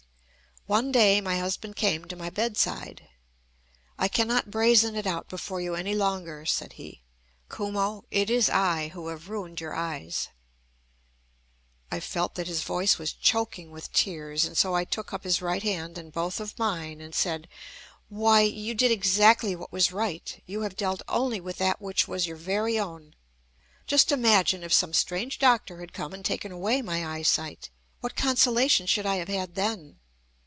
One day my husband came to my bedside. "I cannot brazen it out before you any longer," said he, "Kumo, it is I who have ruined your eyes." I felt that his voice was choking with tears, and so I took up his right hand in both of mine and said: "Why! you did exactly what was right. You have dealt only with that which was your very own. Just imagine, if some strange doctor had come and taken away my eyesight. What consolation should I have had then?